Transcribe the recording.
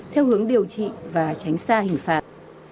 theo hướng điều trị và tránh xa hình phạt